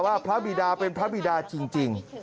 พระบิดาเป็นพระบิดาจริง